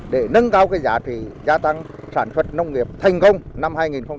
để nâng cao giá trị gia tăng sản xuất nông nghiệp thành công năm hai nghìn một mươi bảy